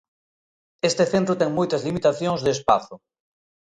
Este centro ten moitas limitacións de espazo.